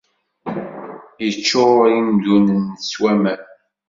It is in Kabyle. Iččur imdunen s waman.